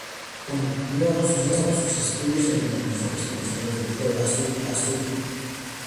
Continuó sus estudios en el colegio, de donde fue expulsado debido a su inquietud.